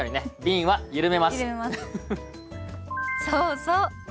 そうそう。